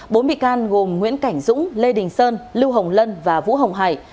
bốn bị can gồm nguyễn cảnh dũng lê đình sơn lưu hồng lân và vũ hồng hải